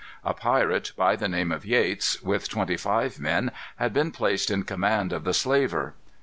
A pirate, by the name of Yeats, with twenty five men, had been placed in command of the slaver.